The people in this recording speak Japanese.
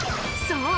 そう！